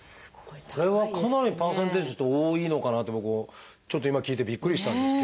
これはかなりパーセンテージ多いのかなと僕もちょっと今聞いてびっくりしたんですけど。